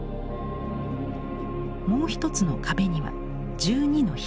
もう一つの壁には１２のヒヒ。